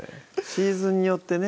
シーズンによってね